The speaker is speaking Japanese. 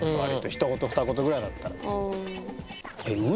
ひと言ふた言ぐらいだったら。